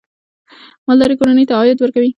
مالداري کورنۍ ته عاید ورکوي.